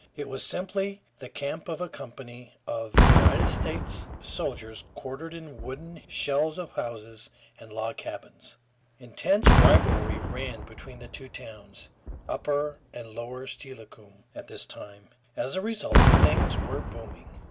It was simply the camp of a company of United States soldiers, quartered in wooden shells of houses and log cabins. Intense rivalry ran between the two towns, upper and lower Steilacoom, at this time. As a result things were booming.